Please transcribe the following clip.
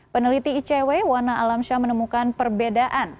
peneliti icw wana alamsyah menemukan perbedaan